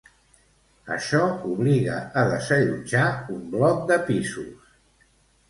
Això obliga a desallotjar un bloc de pisos.